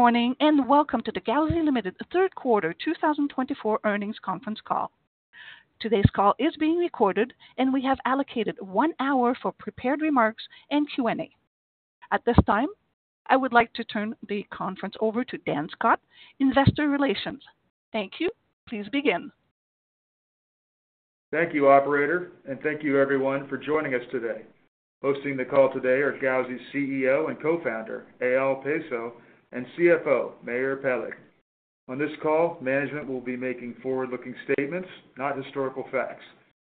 Good morning and welcome to the Gauzy Limited Third Quarter 2024 Earnings Conference call. Today's call is being recorded, and we have allocated one hour for prepared remarks and Q&A. At this time, I would like to turn the conference over to Dan Scott, Investor Relations. Thank you. Please begin. Thank you, Operator, and thank you, everyone, for joining us today. Hosting the call today are Gauzy's CEO and Co-founder, Eyal Peso, and CFO, Meir Peleg. On this call, management will be making forward-looking statements, not historical facts,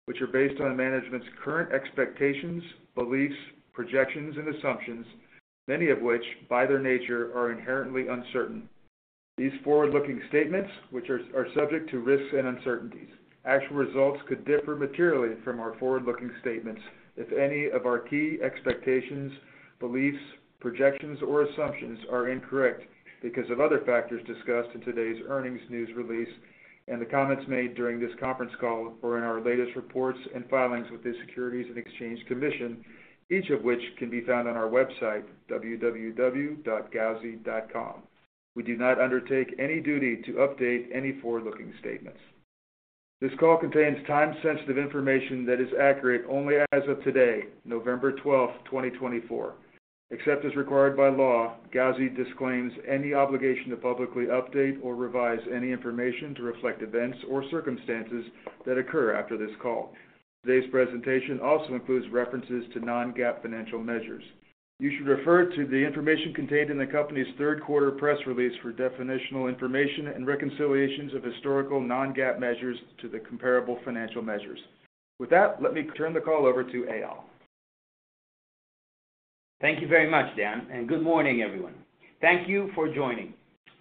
which are based on management's current expectations, beliefs, projections, and assumptions, many of which, by their nature, are inherently uncertain. These forward-looking statements, which are subject to risks and uncertainties, actual results could differ materially from our forward-looking statements if any of our key expectations, beliefs, projections, or assumptions are incorrect because of other factors discussed in today's earnings news release and the comments made during this conference call or in our latest reports and filings with the Securities and Exchange Commission, each of which can be found on our website, www.gauzy.com. We do not undertake any duty to update any forward-looking statements. This call contains time-sensitive information that is accurate only as of today, November 12, 2024. Except as required by law, Gauzy disclaims any obligation to publicly update or revise any information to reflect events or circumstances that occur after this call. Today's presentation also includes references to non-GAAP financial measures. You should refer to the information contained in the company's Third Quarter Press Release for definitional information and reconciliations of historical non-GAAP measures to the comparable financial measures. With that, let me turn the call over to Eyal. Thank you very much, Dan, and good morning, everyone. Thank you for joining.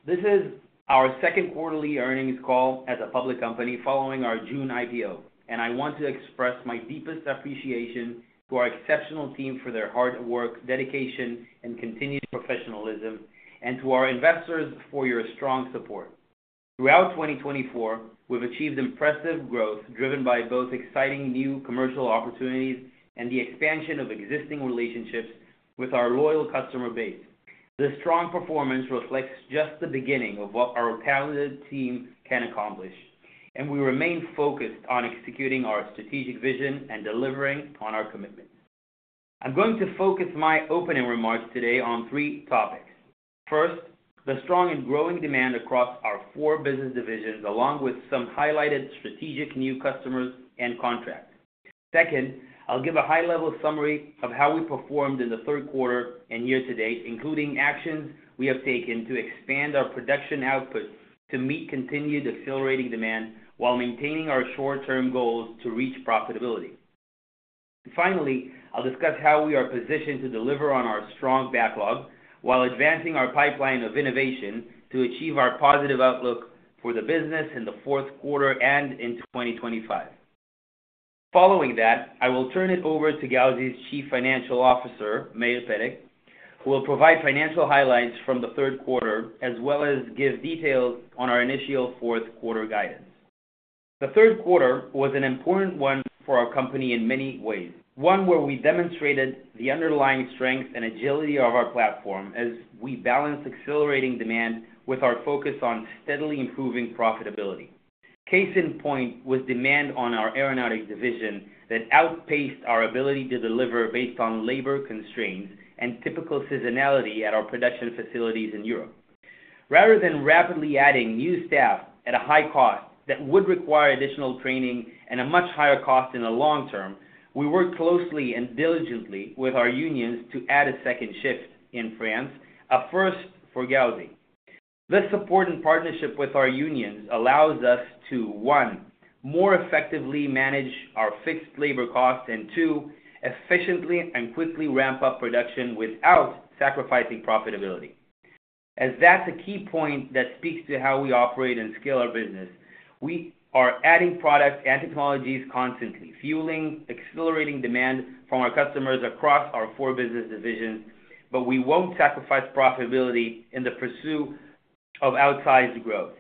This is our second quarterly earnings call as a public company following our June IPO, and I want to express my deepest appreciation to our exceptional team for their hard work, dedication, and continued professionalism, and to our investors for your strong support. Throughout 2024, we've achieved impressive growth driven by both exciting new commercial opportunities and the expansion of existing relationships with our loyal customer base. This strong performance reflects just the beginning of what our talented team can accomplish, and we remain focused on executing our strategic vision and delivering on our commitments. I'm going to focus my opening remarks today on three topics. First, the strong and growing demand across our four business divisions, along with some highlighted strategic new customers and contracts. Second, I'll give a high-level summary of how we performed in the third quarter and year to date, including actions we have taken to expand our production output to meet continued accelerating demand while maintaining our short-term goals to reach profitability. Finally, I'll discuss how we are positioned to deliver on our strong backlog while advancing our pipeline of innovation to achieve our positive outlook for the business in the fourth quarter and into 2025. Following that, I will turn it over to Gauzy's Chief Financial Officer, Meir Peleg, who will provide financial highlights from the third quarter as well as give details on our initial fourth quarter guidance. The third quarter was an important one for our company in many ways, one where we demonstrated the underlying strength and agility of our platform as we balanced accelerating demand with our focus on steadily improving profitability. Case in point was demand on our aeronautics division that outpaced our ability to deliver based on labor constraints and typical seasonality at our production facilities in Europe. Rather than rapidly adding new staff at a high cost that would require additional training and a much higher cost in the long term, we worked closely and diligently with our unions to add a second shift in France, a first for Gauzy. This support and partnership with our unions allows us to, one, more effectively manage our fixed labor costs and, two, efficiently and quickly ramp up production without sacrificing profitability. As that's a key point that speaks to how we operate and scale our business, we are adding products and technologies constantly, fueling accelerating demand from our customers across our four business divisions, but we won't sacrifice profitability in the pursuit of outsized growth.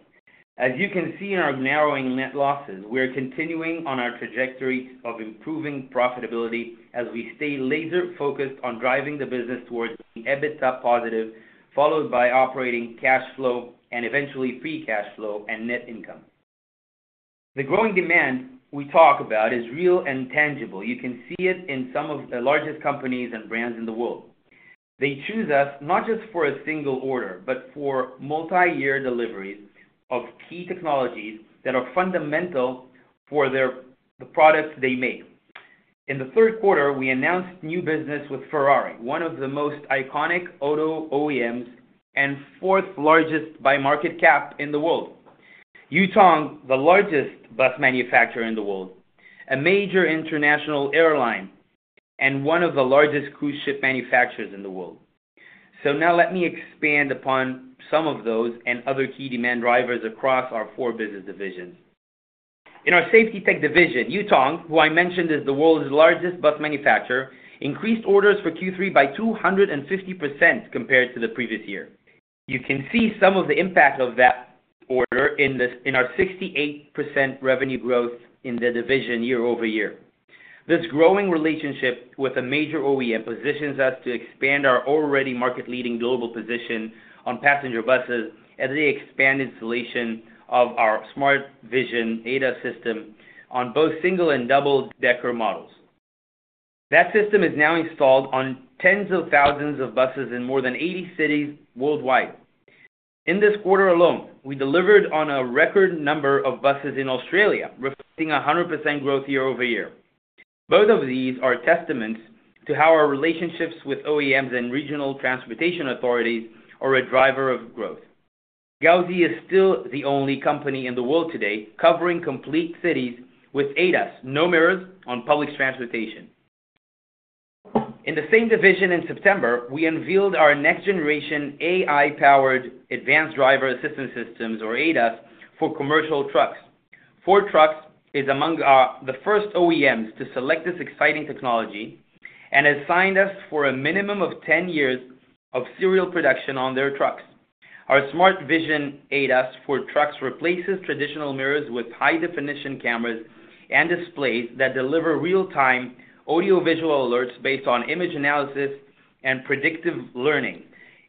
As you can see in our narrowing net losses, we're continuing on our trajectory of improving profitability as we stay laser-focused on driving the business towards EBITDA positive, followed by operating cash flow and eventually free cash flow and net income. The growing demand we talk about is real and tangible. You can see it in some of the largest companies and brands in the world. They choose us not just for a single order, but for multi-year deliveries of key technologies that are fundamental for the products they make. In the third quarter, we announced new business with Ferrari, one of the most iconic auto OEMs and fourth largest by market cap in the world, Yutong, the largest bus manufacturer in the world, a major international airline, and one of the largest cruise ship manufacturers in the world. Now let me expand upon some of those and other key demand drivers across our four business divisions. In our safety tech division, Yutong, who I mentioned is the world's largest bus manufacturer, increased orders for Q3 by 250% compared to the previous year. You can see some of the impact of that order in our 68% revenue growth in the division year over year. This growing relationship with a major OEM positions us to expand our already market-leading global position on passenger buses as they expand installation of our smart vision ADAS system on both single and double-decker models. That system is now installed on tens of thousands of buses in more than 80 cities worldwide. In this quarter alone, we delivered on a record number of buses in Australia, reflecting 100% growth year over year. Both of these are testaments to how our relationships with OEMs and regional transportation authorities are a driver of growth. Gauzy is still the only company in the world today covering complete cities with ADAS, no mirrors on public transportation. In the same division, in September, we unveiled our next-generation AI-powered advanced driver assistance systems, or ADAS, for commercial trucks. Ford Trucks is among the first OEMs to select this exciting technology and has signed us for a minimum of 10 years of serial production on their trucks. Our Smart Vision ADAS for trucks replaces traditional mirrors with high-definition cameras and displays that deliver real-time audio-visual alerts based on image analysis and predictive learning,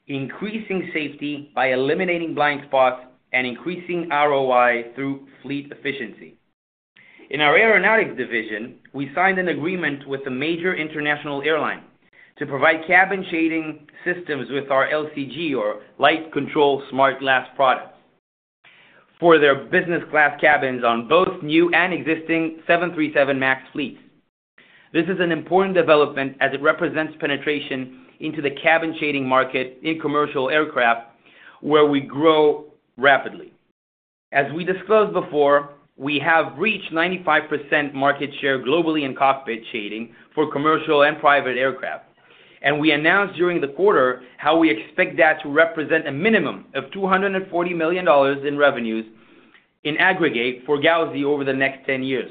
increasing safety by eliminating blind spots and increasing ROI through fleet efficiency. In our aeronautics division, we signed an agreement with a major international airline to provide cabin shading systems with our LCG, or Light Control Smart Glass products, for their business-class cabins on both new and existing 737 MAX fleets. This is an important development as it represents penetration into the cabin shading market in commercial aircraft, where we grow rapidly. As we disclosed before, we have reached 95% market share globally in cockpit shading for commercial and private aircraft, and we announced during the quarter how we expect that to represent a minimum of $240 million in revenues in aggregate for Gauzy over the next 10 years.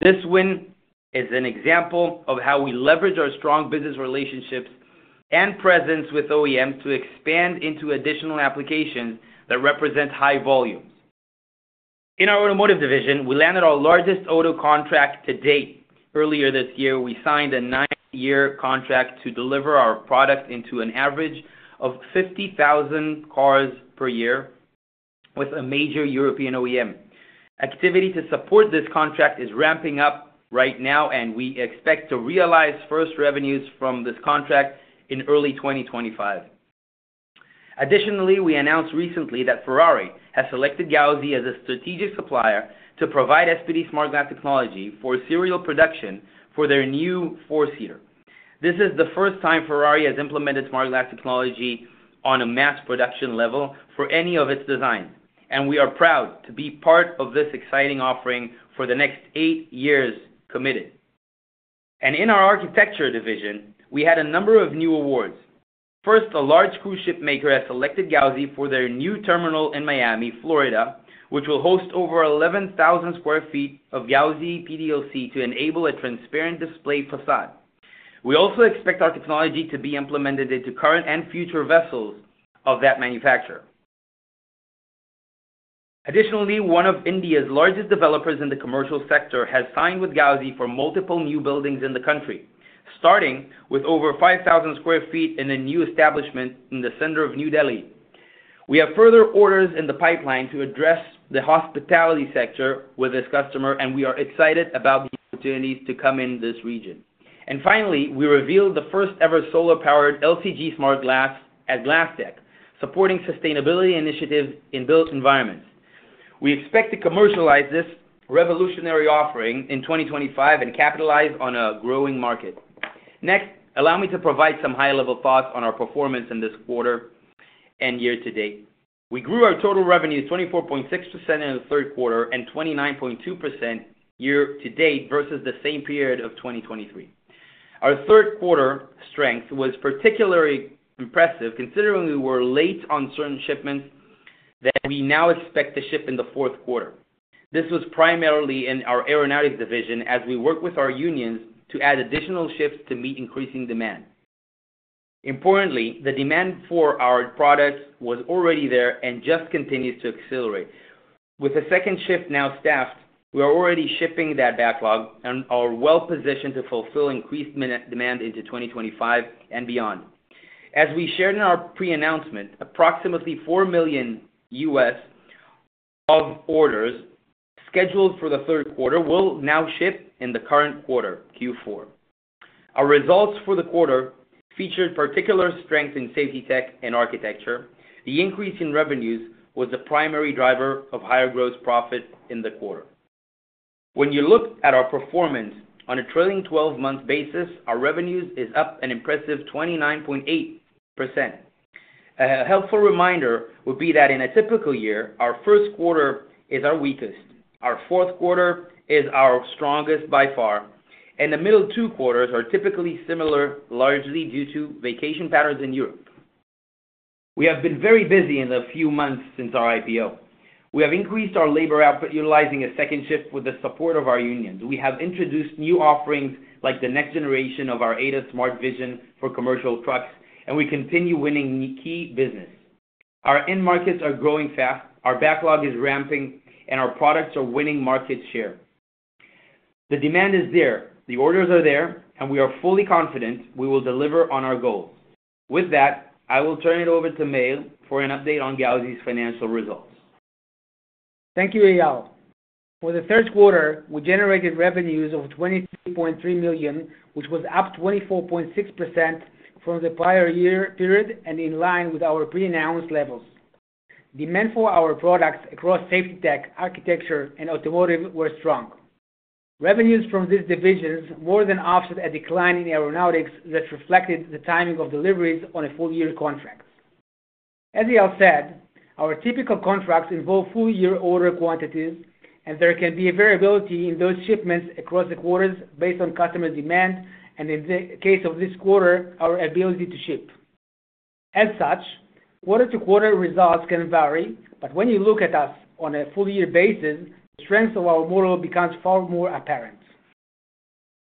This win is an example of how we leverage our strong business relationships and presence with OEMs to expand into additional applications that represent high volumes. In our automotive division, we landed our largest auto contract to date. Earlier this year, we signed a nine-year contract to deliver our product into an average of 50,000 cars per year with a major European OEM. Activity to support this contract is ramping up right now, and we expect to realize first revenues from this contract in early 2025. Additionally, we announced recently that Ferrari has selected Gauzy as a strategic supplier to provide SPD Smart Glass technology for serial production for their new four-seater. This is the first time Ferrari has implemented Smart Glass technology on a mass production level for any of its designs, and we are proud to be part of this exciting offering for the next eight years committed, and in our architecture division, we had a number of new awards. First, a large cruise ship maker has selected Gauzy for their new terminal in Miami, Florida, which will host over 11,000 sq ft of Gauzy PDLC to enable a transparent display facade. We also expect our technology to be implemented into current and future vessels of that manufacturer. Additionally, one of India's largest developers in the commercial sector has signed with Gauzy for multiple new buildings in the country, starting with over 5,000 sq ft in a new establishment in the center of New Delhi. We have further orders in the pipeline to address the hospitality sector with this customer, and we are excited about the opportunities to come in this region, and finally, we revealed the first-ever solar-powered LCG Smart Glass at Glasstec, supporting sustainability initiatives in built environments. We expect to commercialize this revolutionary offering in 2025 and capitalize on a growing market. Next, allow me to provide some high-level thoughts on our performance in this quarter and year to date. We grew our total revenue 24.6% in the third quarter and 29.2% year to date versus the same period of 2023. Our third quarter strength was particularly impressive, considering we were late on certain shipments that we now expect to ship in the fourth quarter. This was primarily in our aeronautics division as we worked with our unions to add additional shifts to meet increasing demand. Importantly, the demand for our products was already there and just continues to accelerate. With a second shift now staffed, we are already shipping that backlog and are well-positioned to fulfill increased demand into 2025 and beyond. As we shared in our pre-announcement, approximately $4 million of orders scheduled for the third quarter will now ship in the current quarter, Q4. Our results for the quarter featured particular strength in safety tech and architecture. The increase in revenues was the primary driver of higher gross profit in the quarter. When you look at our performance on a trailing 12-month basis, our revenues are up an impressive 29.8%. A helpful reminder would be that in a typical year, our first quarter is our weakest, our fourth quarter is our strongest by far, and the middle two quarters are typically similar largely due to vacation patterns in Europe. We have been very busy in the few months since our IPO. We have increased our labor output utilizing a second shift with the support of our unions. We have introduced new offerings like the next generation of our ADAS Smart Vision for commercial trucks, and we continue winning key business. Our end markets are growing fast, our backlog is ramping, and our products are winning market share. The demand is there, the orders are there, and we are fully confident we will deliver on our goals. With that, I will turn it over to Meir for an update on Gauzy's financial results. Thank you, Eyal. For the third quarter, we generated revenues of $23.3 million, which was up 24.6% from the prior year period and in line with our pre-announced levels. Demand for our products across safety tech, architecture, and automotive was strong. Revenues from these divisions more than offset a decline in aeronautics that reflected the timing of deliveries on a full-year contract. As Eyal said, our typical contracts involve full-year order quantities, and there can be variability in those shipments across the quarters based on customer demand and, in the case of this quarter, our ability to ship. As such, quarter-to-quarter results can vary, but when you look at us on a full-year basis, the strength of our model becomes far more apparent.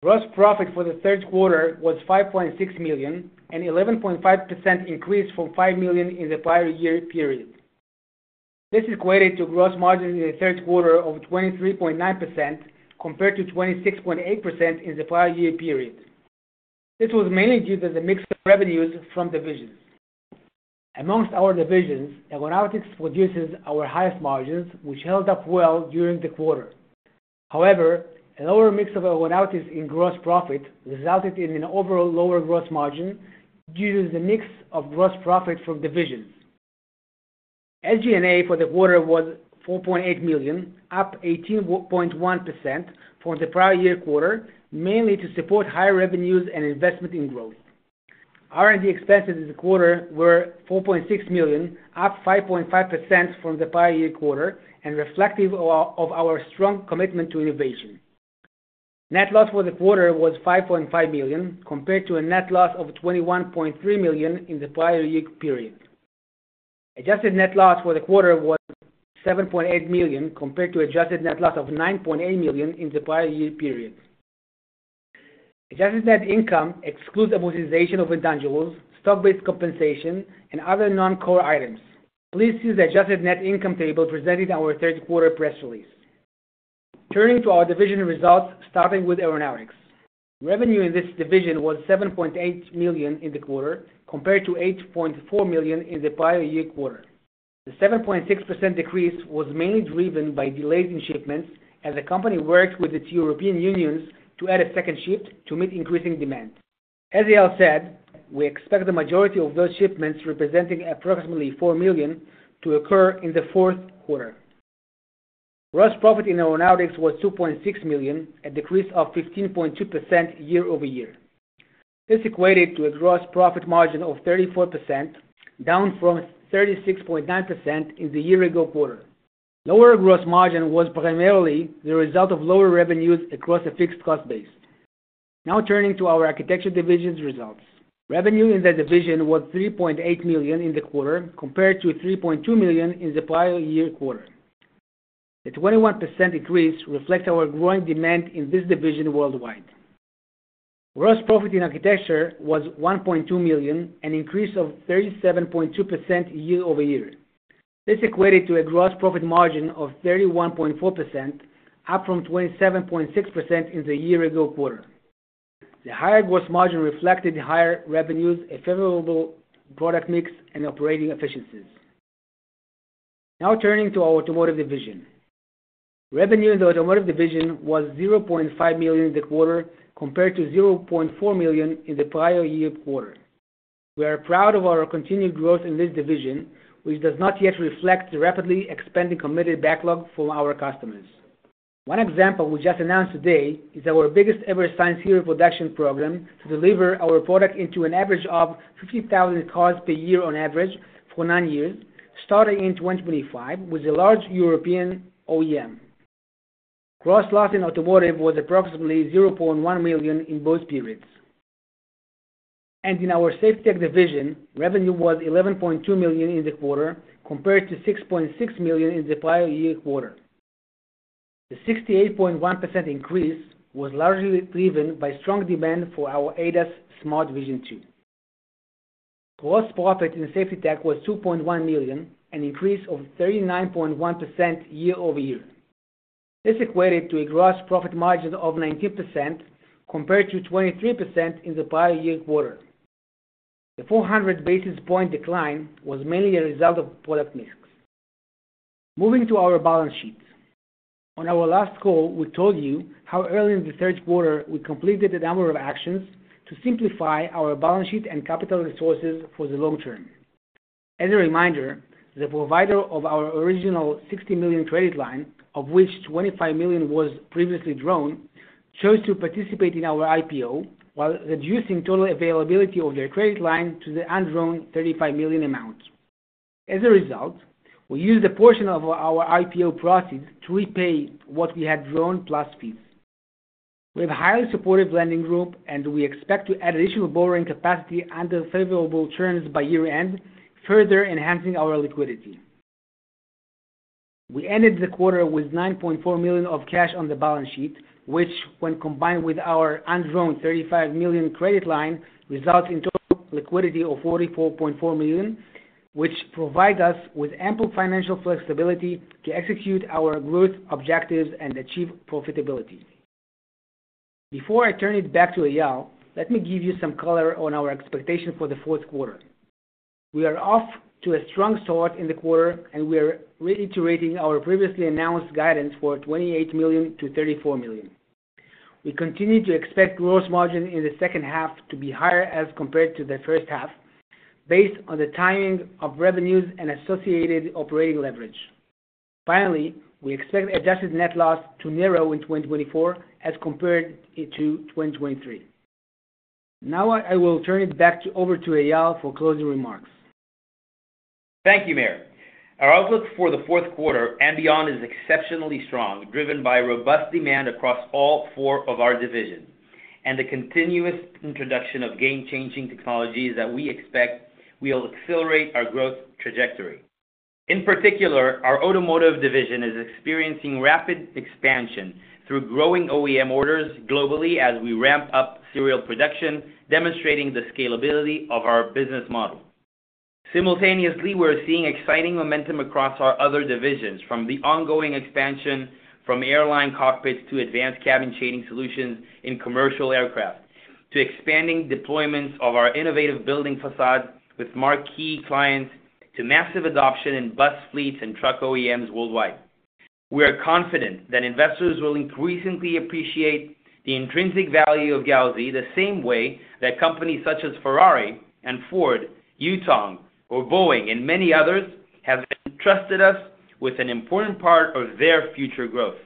Gross profit for the third quarter was $5.6 million, an 11.5% increase from $5 million in the prior year period. This equated to gross margins in the third quarter of 23.9% compared to 26.8% in the prior year period. This was mainly due to the mix of revenues from divisions. Among our divisions, aeronautics produces our highest margins, which held up well during the quarter. However, a lower mix of aeronautics in gross profit resulted in an overall lower gross margin due to the mix of gross profit from divisions. SG&A for the quarter was $4.8 million, up 18.1% from the prior year quarter, mainly to support higher revenues and investment in growth. R&D expenses in the quarter were $4.6 million, up 5.5% from the prior year quarter, and reflective of our strong commitment to innovation. Net loss for the quarter was $5.5 million compared to a net loss of $21.3 million in the prior year period. Adjusted net loss for the quarter was $7.8 million compared to adjusted net loss of $9.8 million in the prior year period. Adjusted net income excludes amortization of redundancies, stock-based compensation, and other non-core items. Please see the adjusted net income table presented in our third quarter press release. Turning to our division results, starting with aeronautics. Revenue in this division was $7.8 million in the quarter compared to $8.4 million in the prior year quarter. The 7.6% decrease was mainly driven by delays in shipments as the company worked with its European unions to add a second shift to meet increasing demand. As Eyal said, we expect the majority of those shipments representing approximately $4 million to occur in the fourth quarter. Gross profit in aeronautics was $2.6 million, a decrease of 15.2% year over year. This equated to a gross profit margin of 34%, down from 36.9% in the year-ago quarter. Lower gross margin was primarily the result of lower revenues across a fixed cost base. Now turning to our architecture division's results. Revenue in the division was $3.8 million in the quarter compared to $3.2 million in the prior year quarter. The 21% increase reflects our growing demand in this division worldwide. Gross profit in architecture was $1.2 million, an increase of 37.2% year over year. This equated to a gross profit margin of 31.4%, up from 27.6% in the year-ago quarter. The higher gross margin reflected higher revenues, a favorable product mix, and operating efficiencies. Now turning to our automotive division. Revenue in the automotive division was $0.5 million in the quarter compared to $0.4 million in the prior year quarter. We are proud of our continued growth in this division, which does not yet reflect the rapidly expanding committed backlog from our customers. One example we just announced today is our biggest-ever signed serial production program to deliver our product into an average of 50,000 cars per year on average for nine years, starting in 2025, with a large European OEM. Gross loss in automotive was approximately $0.1 million in both periods. And in our safety tech division, revenue was $11.2 million in the quarter compared to $6.6 million in the prior year quarter. The 68.1% increase was largely driven by strong demand for our ADAS Smart Vision 2. Gross profit in safety tech was $2.1 million, an increase of 39.1% year over year. This equated to a gross profit margin of 19% compared to 23% in the prior year quarter. The 400 basis points decline was mainly a result of product mix. Moving to our balance sheet. On our last call, we told you how early in the third quarter we completed a number of actions to simplify our balance sheet and capital resources for the long term. As a reminder, the provider of our original $60 million credit line, of which $25 million was previously drawn, chose to participate in our IPO while reducing total availability of their credit line to the undrawn $35 million amount. As a result, we used a portion of our IPO proceeds to repay what we had drawn plus fees. We have a highly supportive lending group, and we expect to add additional borrowing capacity under favorable terms by year-end, further enhancing our liquidity. We ended the quarter with $9.4 million of cash on the balance sheet, which, when combined with our undrawn $35 million credit line, results in total liquidity of $44.4 million, which provides us with ample financial flexibility to execute our growth objectives and achieve profitability. Before I turn it back to Eyal, let me give you some color on our expectation for the fourth quarter. We are off to a strong start in the quarter, and we are reiterating our previously announced guidance for $28 million-$34 million. We continue to expect gross margin in the second half to be higher as compared to the first half, based on the timing of revenues and associated operating leverage. Finally, we expect adjusted net loss to narrow in 2024 as compared to 2023. Now I will turn it back over to Eyal for closing remarks. Thank you, Meir. Our outlook for the fourth quarter and beyond is exceptionally strong, driven by robust demand across all four of our divisions and the continuous introduction of game-changing technologies that we expect will accelerate our growth trajectory. In particular, our automotive division is experiencing rapid expansion through growing OEM orders globally as we ramp up serial production, demonstrating the scalability of our business model. Simultaneously, we're seeing exciting momentum across our other divisions from the ongoing expansion from airline cockpits to advanced cabin shading solutions in commercial aircraft to expanding deployments of our innovative building facades with marquee clients to massive adoption in bus fleets and truck OEMs worldwide. We are confident that investors will increasingly appreciate the intrinsic value of Gauzy the same way that companies such as Ferrari and Ford, Yutong, or Boeing, and many others have entrusted us with an important part of their future growth.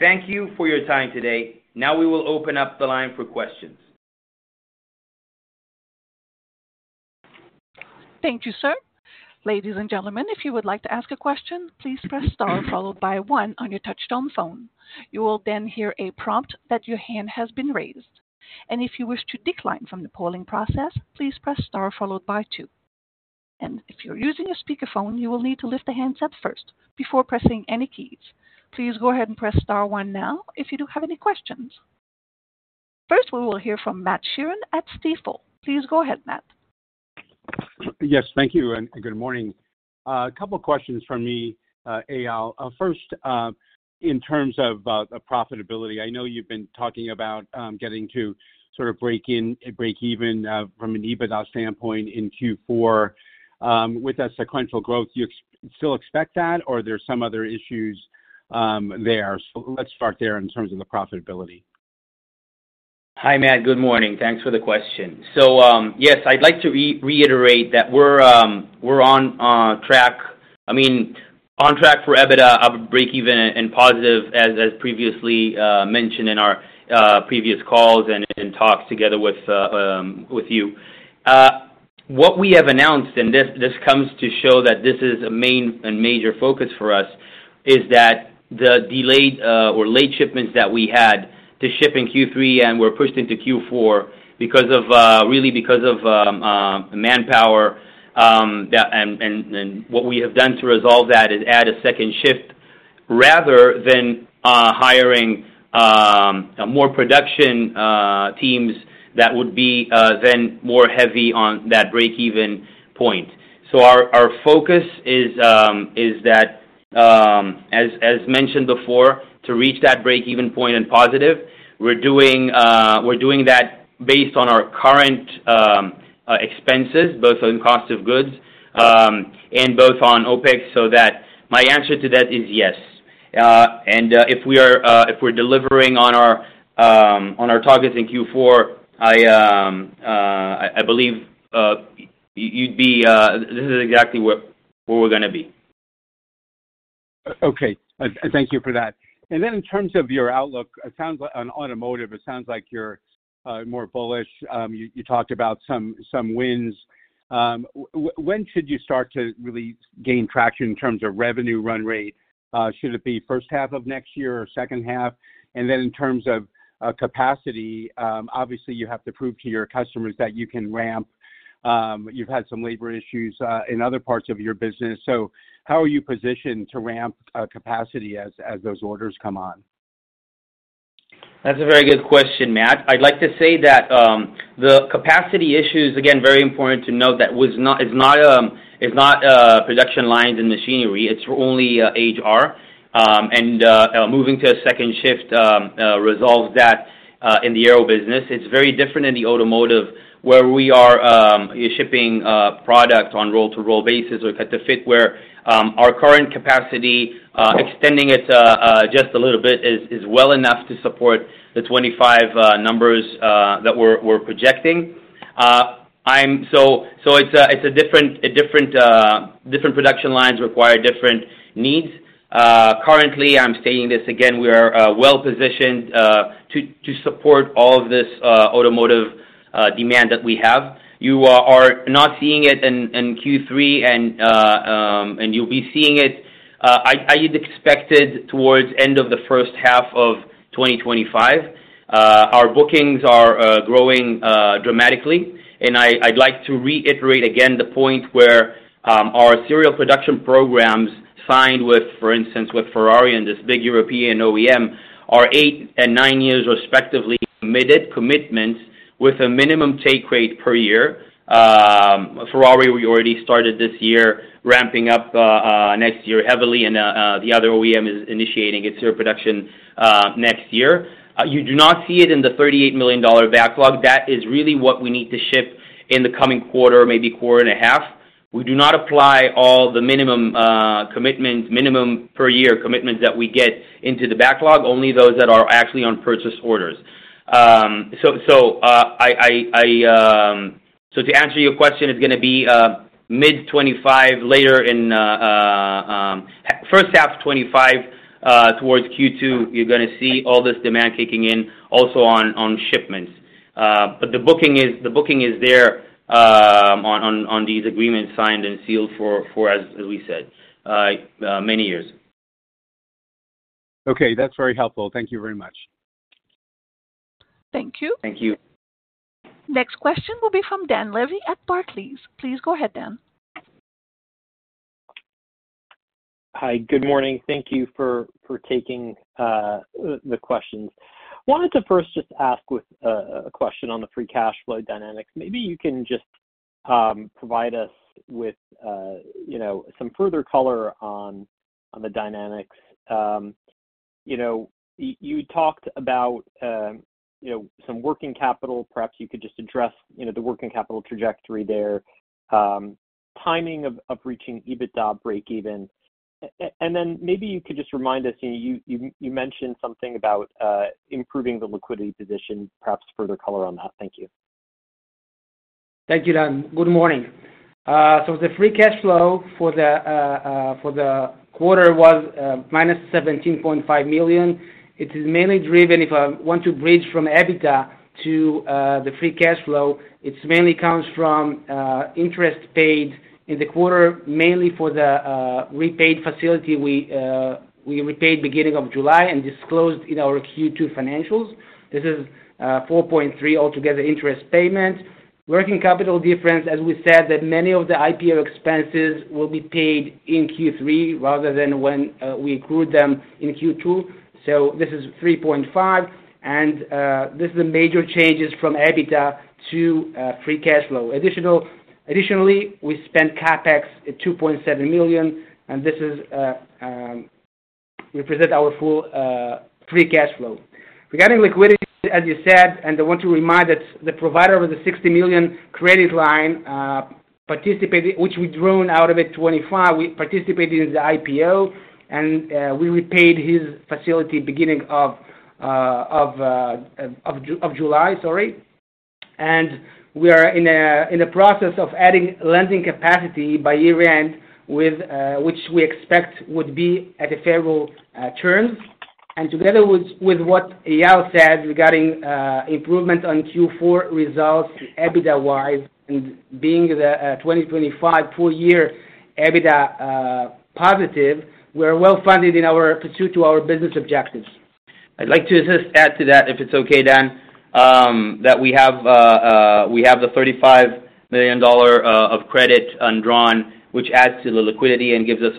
Thank you for your time today. Now we will open up the line for questions. Thank you, sir. Ladies and gentlemen, if you would like to ask a question, please press star followed by one on your touch-tone phone. You will then hear a prompt that your hand has been raised. And if you wish to decline from the polling process, please press star followed by two. And if you're using a speakerphone, you will need to lift the handset up first before pressing any keys. Please go ahead and press star one now if you do have any questions. First, we will hear from Matt Sheerin at Stifel. Please go ahead, Matt. Yes, thank you and good morning. A couple of questions from me, Eyal. First, in terms of profitability, I know you've been talking about getting to sort of break in, break even from an EBITDA standpoint in Q4 with a sequential growth. You still expect that, or are there some other issues there? So let's start there in terms of the profitability. Hi, Matt. Good morning. Thanks for the question. So yes, I'd like to reiterate that we're on track. I mean, on track for EBITDA of break even and positive, as previously mentioned in our previous calls and talks together with you. What we have announced, and this comes to show that this is a main and major focus for us, is that the delayed or late shipments that we had to ship in Q3 and were pushed into Q4 because of really because of manpower. And what we have done to resolve that is add a second shift rather than hiring more production teams that would be then more heavy on that break even point. So our focus is that, as mentioned before, to reach that break even point and positive. We're doing that based on our current expenses, both on cost of goods and both on OpEx, so that my answer to that is yes. And if we're delivering on our targets in Q4, I believe this is exactly where we're going to be. Okay. Thank you for that. And then in terms of your outlook, it sounds like on automotive, it sounds like you're more bullish. You talked about some wins. When should you start to really gain traction in terms of revenue run rate? Should it be first half of next year or second half? And then, in terms of capacity, obviously, you have to prove to your customers that you can ramp. You've had some labor issues in other parts of your business. So how are you positioned to ramp capacity as those orders come on? That's a very good question, Matt. I'd like to say that the capacity issues, again, very important to note that it's not production lines and machinery. It's only HR. And moving to a second shift resolves that in the aero business. It's very different in the automotive where we are shipping product on roll-to-roll basis or cut-to-fit where our current capacity, extending it just a little bit, is well enough to support the 25 numbers that we're projecting. So it's a different production lines require different needs. Currently, I'm stating this again, we are well positioned to support all of this automotive demand that we have. You are not seeing it in Q3, and you'll be seeing it, I expected, towards the end of the first half of 2025. Our bookings are growing dramatically, and I'd like to reiterate again the point where our serial production programs signed with, for instance, with Ferrari and this big European OEM are eight and nine years respectively committed commitments with a minimum take rate per year. Ferrari already started this year ramping up next year heavily, and the other OEM is initiating its serial production next year. You do not see it in the $38 million backlog. That is really what we need to ship in the coming quarter, maybe quarter and a half. We do not apply all the minimum commitments, minimum per year commitments that we get into the backlog, only those that are actually on purchase orders. So to answer your question, it's going to be mid-2025, later in first half of 2025 towards Q2, you're going to see all this demand kicking in also on shipments. But the booking is there on these agreements signed and sealed for, as we said, many years. Okay. That's very helpful. Thank you very much. Thank you. Thank you. Next question will be from Dan Levy at Barclays. Please go ahead, Dan. Hi. Good morning. Thank you for taking the questions. Wanted to first just ask with a question on the free cash flow dynamics. Maybe you can just provide us with some further color on the dynamics. You talked about some working capital. Perhaps you could just address the working capital trajectory there, timing of reaching EBITDA break even. And then maybe you could just remind us. You mentioned something about improving the liquidity position, perhaps further color on that. Thank you. Thank you, Dan. Good morning. The free cash flow for the quarter was -$17.5 million. It is mainly driven. If I want to bridge from EBITDA to the free cash flow, it mainly comes from interest paid in the quarter, mainly for the repaid facility we repaid beginning of July and disclosed in our Q2 financials. This is $4.3 altogether interest payment. Working capital difference, as we said, that many of the IPO expenses will be paid in Q3 rather than when we include them in Q2. So this is $3.5. And this is the major changes from EBITDA to free cash flow. Additionally, we spent CapEx at $2.7 million, and this represents our full free cash flow. Regarding liquidity, as you said, and I want to remind that the provider with the $60 million credit line participated, which we drawn out of it $25 million. We participated in the IPO, and we repaid his facility beginning of July, sorry. We are in the process of adding lending capacity by year-end, which we expect would be at a favorable term. Together with what Eyal said regarding improvement on Q4 results, EBITDA-wise, and being the 2025 full year EBITDA positive, we are well funded in our pursuit to our business objectives. I'd like to just add to that, if it's okay, Dan, that we have the $35 million of credit undrawn, which adds to the liquidity and gives us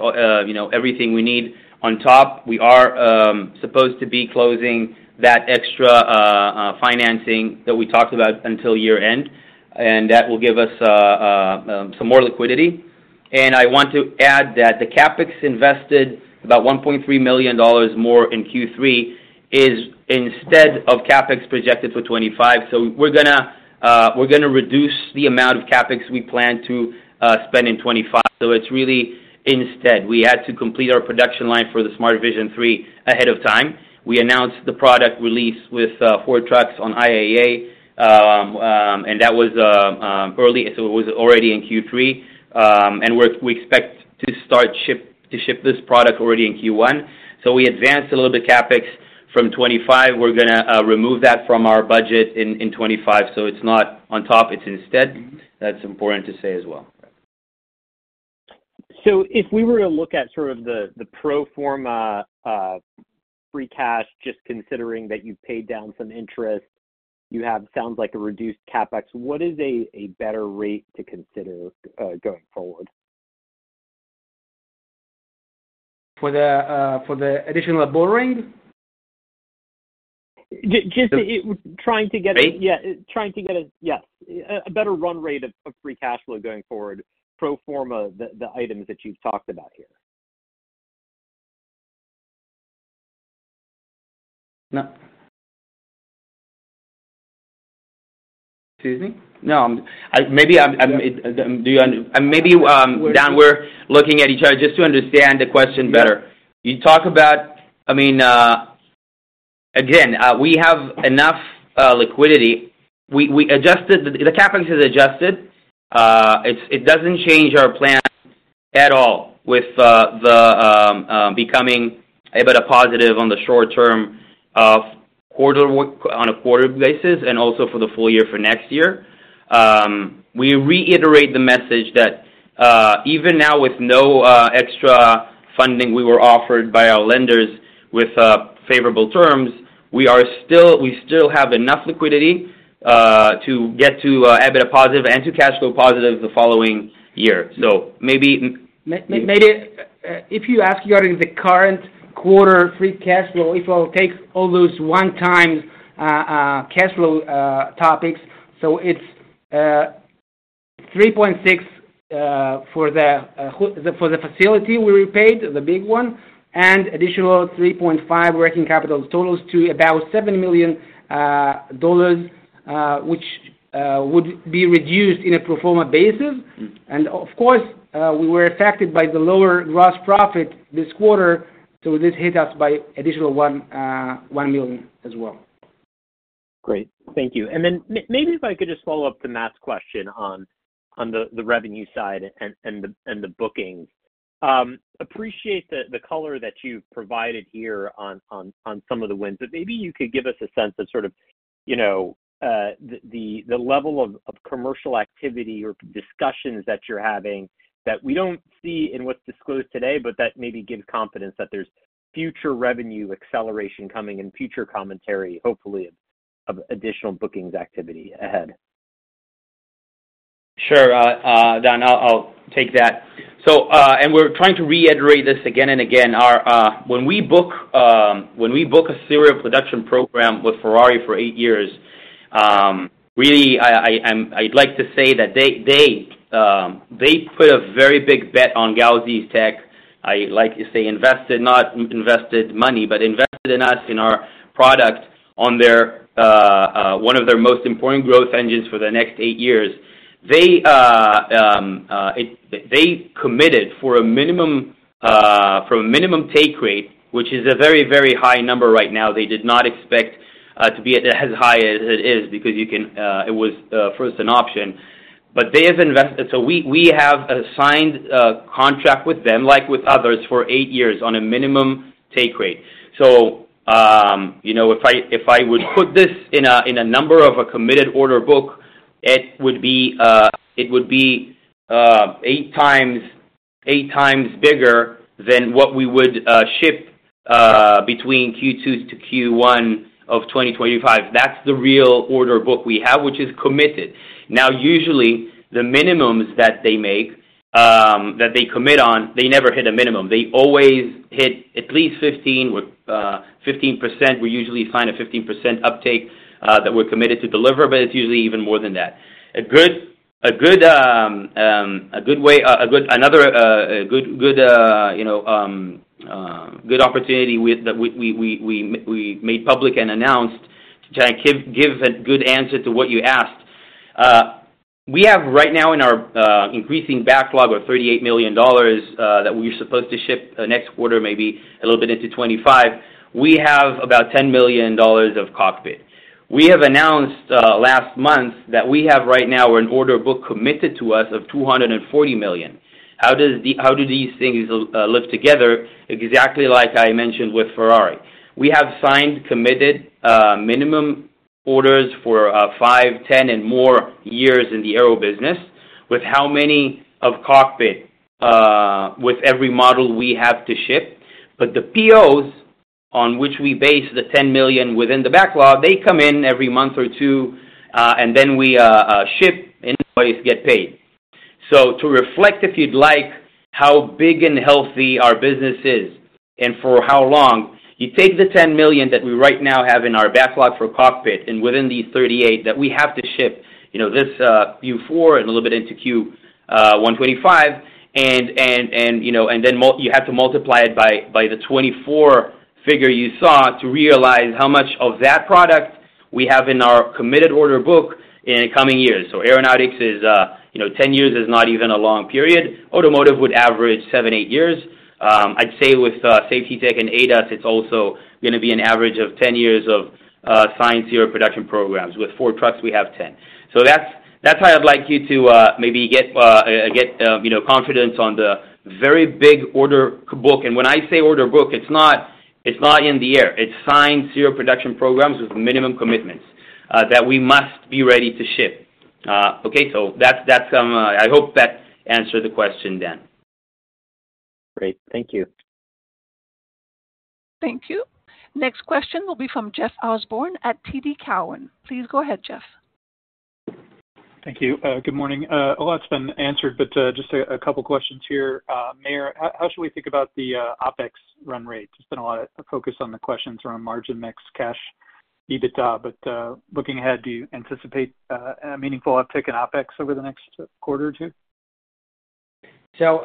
everything we need on top. We are supposed to be closing that extra financing that we talked about until year-end, and that will give us some more liquidity. I want to add that the CapEx invested about $1.3 million more in Q3 is instead of CapEx projected for 2025. We're going to reduce the amount of CapEx we plan to spend in 2025. It's really instead. We had to complete our production line for the Smart Vision 3 ahead of time. We announced the product release with Ford Trucks on IAA, and that was early, so it was already in Q3. We expect to start shipping this product already in Q1. We advanced a little bit CapEx from 2025. We're going to remove that from our budget in 2025. It's not on top, it's instead. That's important to say as well. If we were to look at sort of the pro forma free cash, just considering that you've paid down some interest, you have sounds like a reduced CapEx. What is a better rate to consider going forward? For the additional borrowing? Just trying to get a better run rate of free cash flow going forward, pro forma the items that you've talked about here. No. Excuse me. No, maybe I'm, and maybe Dan, we're looking at each other just to understand the question better. You talk about, I mean, again, we have enough liquidity. The CapEx is adjusted. It doesn't change our plan at all with the becoming a bit of positive on the short term on a quarter basis and also for the full year for next year. We reiterate the message that even now with no extra funding we were offered by our lenders with favorable terms, we still have enough liquidity to get to EBITDA positive and to cash flow positive the following year. So, maybe if you ask regarding the current quarter free cash flow, if I'll take all those one-time cash flow topics. So, it's $3.6 million for the facility we repaid, the big one, and additional $3.5 million working capital totals to about $7 million, which would be reduced on a pro forma basis. And of course, we were affected by the lower gross profit this quarter, so this hit us by additional $1 million as well. Great. Thank you. And then maybe if I could just follow up on Matt's question on the revenue side and the bookings. Appreciate the color that you've provided here on some of the wins. But maybe you could give us a sense of sort of the level of commercial activity or discussions that you're having that we don't see in what's disclosed today, but that maybe gives confidence that there's future revenue acceleration coming and future commentary, hopefully, of additional bookings activity ahead. Sure, Dan. I'll take that. And we're trying to reiterate this again and again. When we book a serial production program with Ferrari for eight years, really, I'd like to say that they put a very big bet on Gauzy's tech. I'd like to say invested, not invested money, but invested in us, in our product, on one of their most important growth engines for the next eight years. They committed for a minimum take rate, which is a very, very high number right now. They did not expect to be as high as it is because it was first an option. But they have invested. So we have a signed contract with them, like with others, for eight years on a minimum take rate. So if I would put this in a number of a committed order book, it would be eight times bigger than what we would ship between Q2 to Q1 of 2025. That's the real order book we have, which is committed. Now, usually, the minimums that they make, that they commit on, they never hit a minimum. They always hit at least 15%. We usually sign a 15% uptake that we're committed to deliver, but it's usually even more than that. A good way, another good opportunity that we made public and announced to try and give a good answer to what you asked. We have right now in our increasing backlog of $38 million that we're supposed to ship next quarter, maybe a little bit into 2025. We have about $10 million of cockpit. We have announced last month that we have right now an order book committed to us of $240 million. How do these things live together? Exactly like I mentioned with Ferrari. We have signed committed minimum orders for 5, 10, and more years in the aero business with how many of cockpit with every model we have to ship. But the POs on which we base the 10 million within the backlog, they come in every month or two, and then we ship invoice, get paid. So, to reflect, if you'd like, how big and healthy our business is and for how long, you take the 10 million that we right now have in our backlog for cockpit and within these 38 that we have to ship this Q4 and a little bit into Q125, and then you have to multiply it by the 24 figure you saw to realize how much of that product we have in our committed order book in the coming years. So aeronautics is 10 years is not even a long period. Automotive would average seven, eight years. I'd say with Safety Tech and ADAS, it's also going to be an average of 10 years of signed serial production programs. With Ford Trucks, we have 10. So that's how I'd like you to maybe get confidence on the very big order book. And when I say order book, it's not in the air. It's signed serial production programs with minimum commitments that we must be ready to ship. Okay. So I hope that answered the question, Dan. Great. Thank you. Thank you. Next question will be from Jeff Osborne at TD Cowen. Please go ahead, Jeff. Thank you. Good morning. A lot's been answered, but just a couple of questions here. Meir, how should we think about the OpEx run rate? There's been a lot of focus on the questions around margin mix, cash, EBITDA, but looking ahead, do you anticipate a meaningful uptick in OpEx over the next quarter or two? So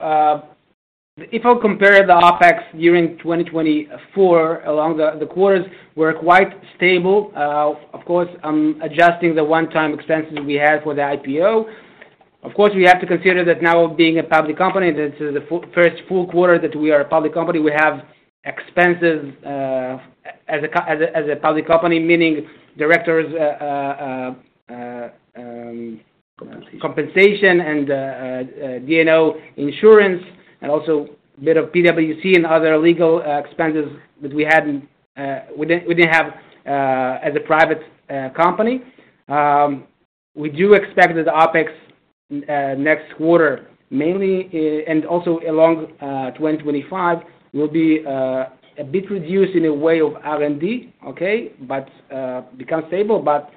if I'll compare the OpEx year-end 2024, along the quarters, we're quite stable. Of course, I'm adjusting the one-time expenses we had for the IPO. Of course, we have to consider that now being a public company, this is the first full quarter that we are a public company. We have expenses as a public company, meaning directors' compensation and D&O insurance, and also a bit of PwC and other legal expenses that we didn't have as a private company. We do expect that the OpEx next quarter, mainly, and also along 2025, will be a bit reduced in a way of R&D, okay, but become stable. But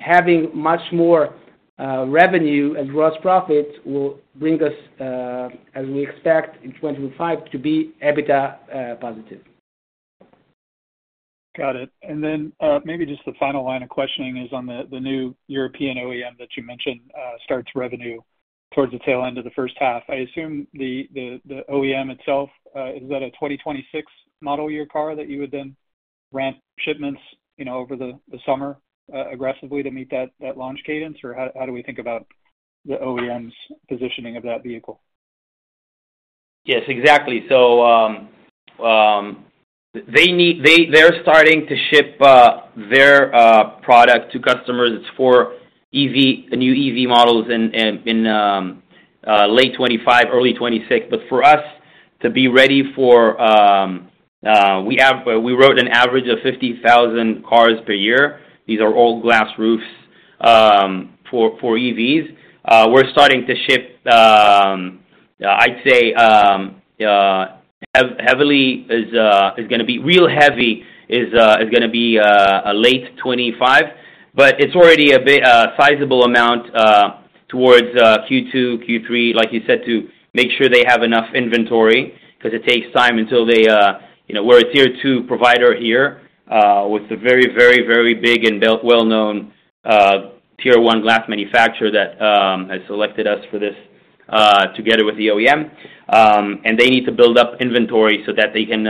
having much more revenue and gross profit will bring us, as we expect in '25, to be EBITDA positive. Got it. And then maybe just the final line of questioning is on the new European OEM that you mentioned starts revenue towards the tail end of the first half. I assume the OEM itself is that a 2026 model year car that you would then ramp shipments over the summer aggressively to meet that launch cadence? Or how do we think about the OEM's positioning of that vehicle? Yes, exactly. So they're starting to ship their product to customers. It's for new EV models in late 2025, early 2026. But for us to be ready for, we do an average of 50,000 cars per year. These are all glass roofs for EVs. We're starting to ship. I'd say, heavily is going to be real heavy in late 2025. But it's already a sizable amount towards Q2, Q3, like you said, to make sure they have enough inventory because it takes time until they were a tier two provider here with a very, very, very big and well-known tier one glass manufacturer that has selected us for this together with the OEM. And they need to build up inventory so that they can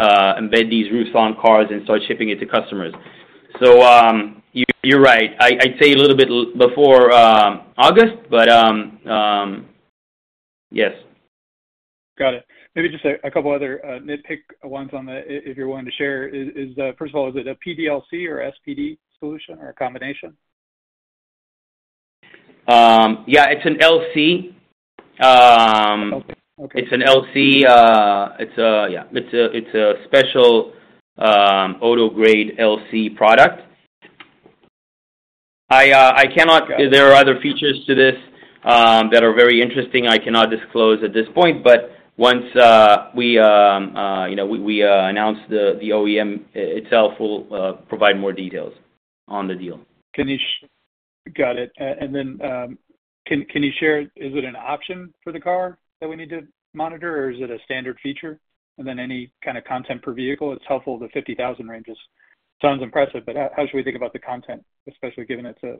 embed these roofs on cars and start shipping it to customers. So you're right. I'd say a little bit before August, but yes. Got it. Maybe just a couple of other nitpick ones if you're willing to share. First of all, is it a PDLC or SPD solution or a combination? Yeah, it's an LC. It's an LC. Yeah, it's a special auto grade LC product. I cannot. There are other features to this that are very interesting. I cannot disclose at this point, but once we announce the OEM itself, we'll provide more details on the deal. Got it. And then can you share, is it an option for the car that we need to monitor, or is it a standard feature? And then any kind of content per vehicle? It's helpful, the 50,000 ranges. Sounds impressive, but how should we think about the content, especially given it's a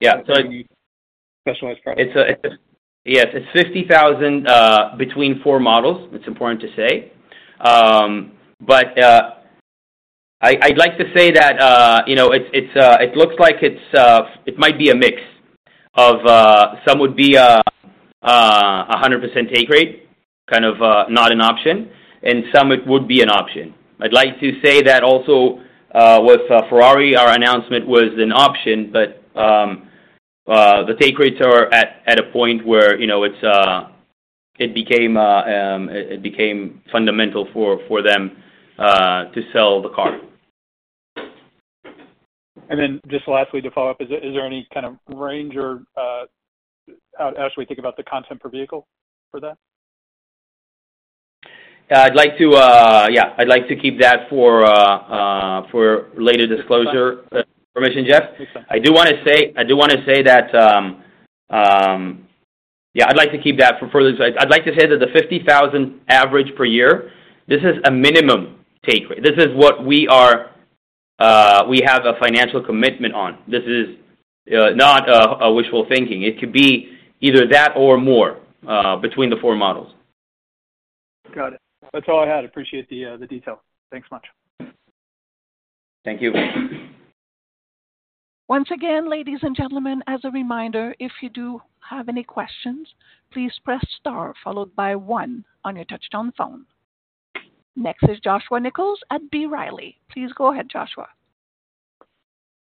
specialized product? Yes, it's 50,000 between four models. It's important to say. But I'd like to say that it looks like it might be a mix of some would be a 100% take rate, kind of not an option, and some it would be an option. I'd like to say that also with Ferrari, our announcement was an option, but the take rates are at a point where it became fundamental for them to sell the car. And then just lastly to follow up, is there any kind of range or how should we think about the content per vehicle for that? Yeah, I'd like to keep that for later disclosure. Permission, Jeff? I do want to say—I do want to say that, yeah, I'd like to keep that for further disclosure. I'd like to say that the 50,000 average per year, this is a minimum take rate. This is what we have a financial commitment on. This is not a wishful thinking. It could be either that or more between the four models. Got it. That's all I had. Appreciate the detail. Thanks much. Thank you. Once again, ladies and gentlemen, as a reminder, if you do have any questions, please press star followed by one on your touch-tone phone. Next is Joshua Nichols at B. Riley. Please go ahead, Joshua.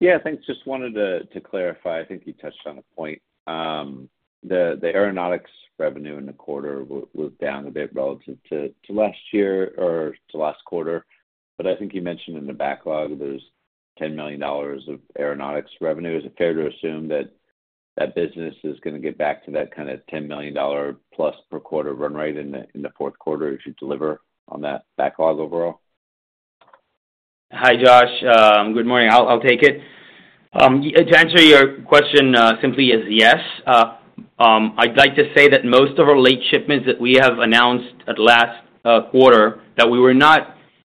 Yeah, thanks. Just wanted to clarify. I think you touched on a point. The aeronautics revenue in the quarter was down a bit relative to last year or to last quarter. But I think you mentioned in the backlog, there's $10 million of aeronautics revenue. Is it fair to assume that that business is going to get back to that kind of $10 million plus per quarter run rate in the fourth quarter if you deliver on that backlog overall? Hi, Josh. Good morning. I'll take it. To answer your question simply as yes, I'd like to say that most of our late shipments that we have announced at last quarter, that we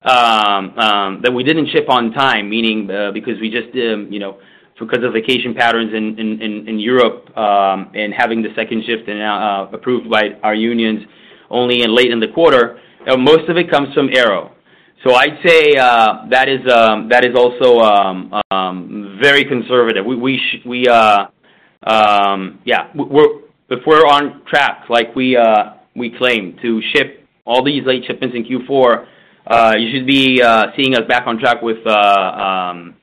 didn't ship on time, meaning because of vacation patterns in Europe and having the second shift approved by our unions only late in the quarter, most of it comes from aero. So, I'd say that is also very conservative. Yeah, if we're on track, like we claim to ship all these late shipments in Q4, you should be seeing us back on track with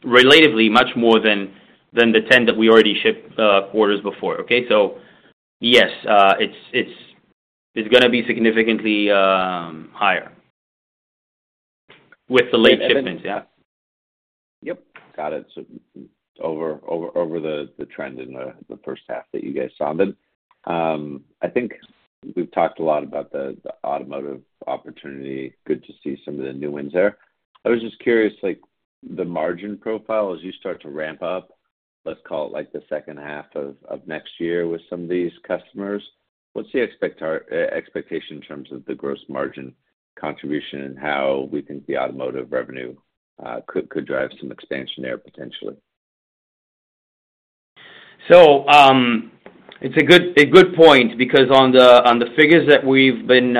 relatively much more than the 10 that we already shipped quarters before. Okay? So yes, it's going to be significantly higher with the late shipments. Yep. Got it. So over the trend in the first half that you guys sounded. I think we've talked a lot about the automotive opportunity. Good to see some of the new ones there. I was just curious, the margin profile, as you start to ramp up, let's call it the second half of next year with some of these customers, what's the expectation in terms of the gross margin contribution and how we think the automotive revenue could drive some expansion there potentially? So, it's a good point because on the figures that we've been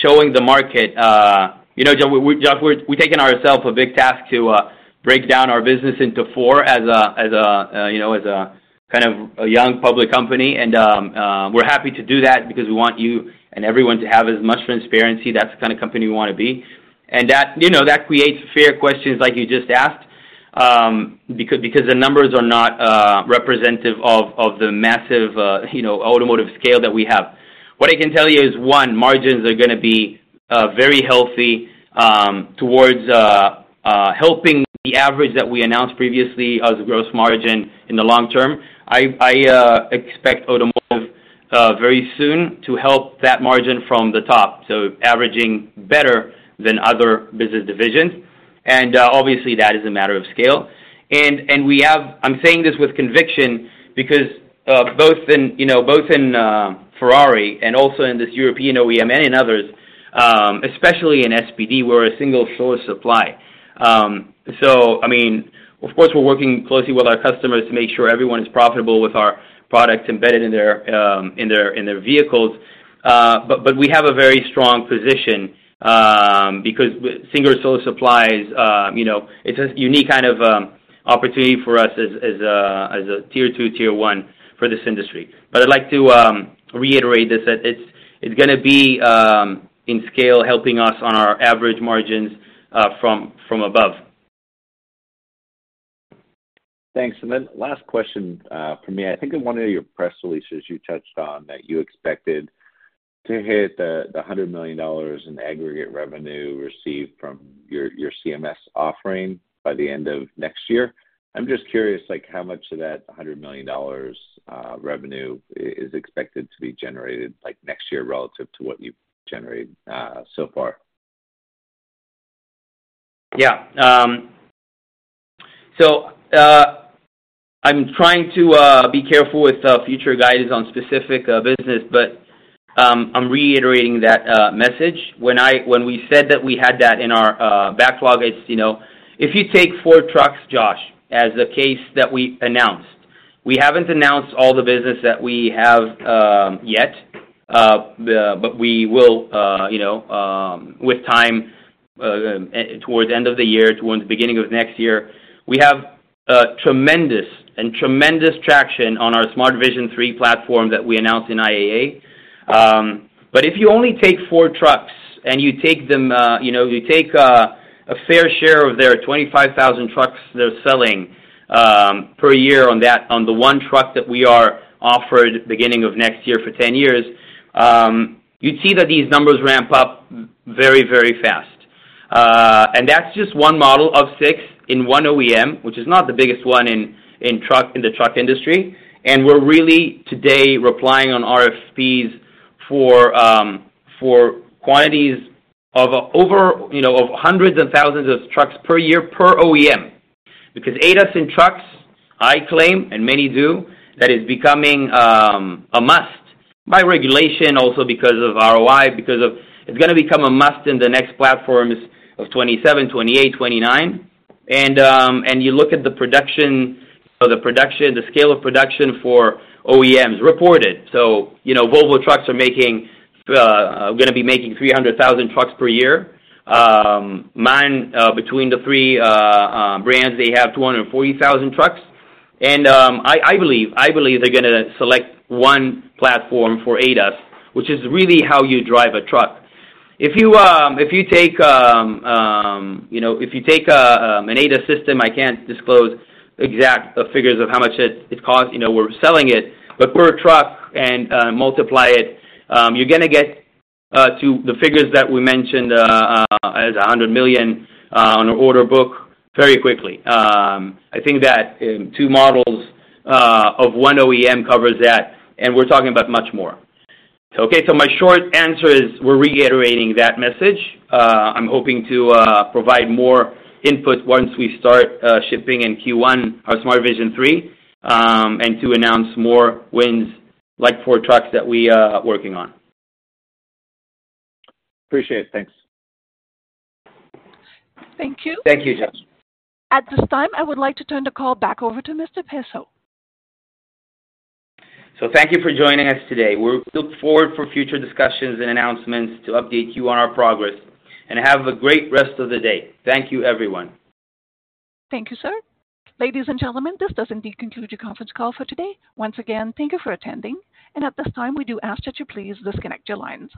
showing the market, we're taking ourselves a big task to break down our business into four as a kind of a young public company. And we're happy to do that because we want you and everyone to have as much transparency. That's the kind of company we want to be. And that creates fair questions like you just asked because the numbers are not representative of the massive automotive scale that we have. What I can tell you is, one, margins are going to be very healthy towards helping the average that we announced previously as a gross margin in the long term. I expect automotive very soon to help that margin from the top, so averaging better than other business divisions. And obviously, that is a matter of scale. And I'm saying this with conviction because both in Ferrari and also in this European OEM and in others, especially in SPD, we're a single source supply. So I mean, of course, we're working closely with our customers to make sure everyone is profitable with our products embedded in their vehicles. But we have a very strong position because single source supplies, it's a unique kind of opportunity for us as a tier two, tier one for this industry. But I'd like to reiterate this that it's going to be in scale helping us on our average margins from above. Thanks. And then last question for me. I think in one of your press releases, you touched on that you expected to hit the $100 million in aggregate revenue received from your CMS offering by the end of next year. I'm just curious how much of that $100 million revenue is expected to be generated next year relative to what you've generated so far? Yeah. So I'm trying to be careful with future guidance on specific business, but I'm reiterating that message. When we said that we had that in our backlog, it's if you take Ford Trucks, Josh, as the case that we announced, we haven't announced all the business that we have yet, but we will with time towards the end of the year, towards the beginning of next year. We have tremendous and tremendous traction on our Smart Vision 3 platform that we announced in IAA. But if you only take Ford Trucks and you take a fair share of their 25,000 trucks they're selling per year on the one truck that we are offered beginning of next year for 10 years, you'd see that these numbers ramp up very, very fast. And that's just one model of six in one OEM, which is not the biggest one in the truck industry. And we're really today relying on RFPs for quantities of hundreds and thousands of trucks per year per OEM because ADAS in trucks, I claim, and many do, that is becoming a must by regulation also because of ROI, because it's going to become a must in the next platforms of 2027, 2028, 2029. And you look at the production, the scale of production for OEMs reported. So Volvo Trucks are going to be making 300,000 trucks per year. Between the three brands, they have 240,000 trucks, and I believe they're going to select one platform for ADAS, which is really how you drive a truck. If you take an ADAS system, I can't disclose exact figures of how much it costs. We're selling it, but per truck and multiply it, you're going to get to the figures that we mentioned as $100 million on the order book very quickly. I think that two models of one OEM covers that, and we're talking about much more. Okay? So my short answer is we're reiterating that message. I'm hoping to provide more input once we start shipping in Q1 our Smart Vision 3 and to announce more wins like Ford Trucks that we are working on. Appreciate it. Thanks. Thank you. Thank you, Josh. At this time, I would like to turn the call back over to Mr. Peso So thank you for joining us today. We look forward for future discussions and announcements to update you on our progress, and have a great rest of the day. Thank you, everyone. Thank you, sir. Ladies and gentlemen, this does indeed conclude your conference call for today. Once again, thank you for attending, and at this time, we do ask that you please disconnect your lines.